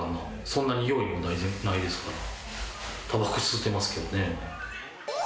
そんなに用意もないですからたばこ吸うてますけどね。